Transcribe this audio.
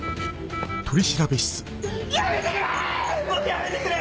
やめてくれ‼